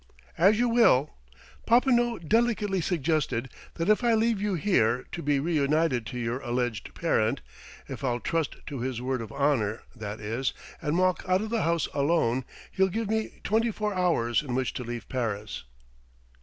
"As you will.... Popinot delicately suggested that if I leave you here, to be reunited to your alleged parent if I'll trust to his word of honour, that is, and walk out of the house alone, he'll give me twenty four hours in which to leave Paris."